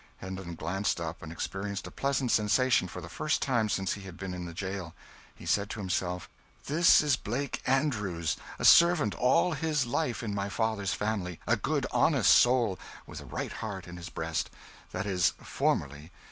Hendon glanced up, and experienced a pleasant sensation for the first time since he had been in the jail. He said to himself, "This is Blake Andrews, a servant all his life in my father's family a good honest soul, with a right heart in his breast. That is, formerly.